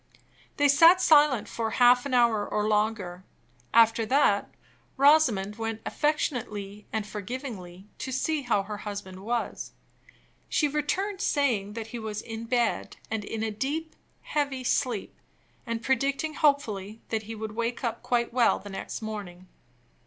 They sat silent for half an hour or longer. After that, Rosamond went affectionately and forgivingly to see how her husband was. She returned, saying that he was in bed, and in a deep, heavy sleep; and predicting hopefully that he would wake up quite well the next morning.